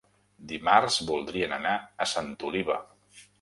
Dimarts voldrien anar a Santa Oliva.